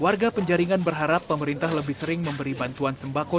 warga penjaringan berharap pemerintah lebih sering memberi bantuan sembako